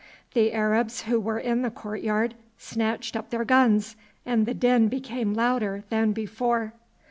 The Arabs who were in the court yard snatched up their guns, and the din became louder than before.